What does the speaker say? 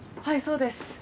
はいそうです。